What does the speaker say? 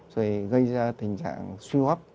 rồi gây ra tình trạng suy hấp